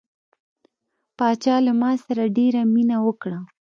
پاچا له ما سره ډیره مینه وکړه.